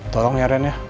tolong ya airen ya